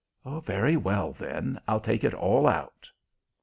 "Very well, then, I'll take it all out."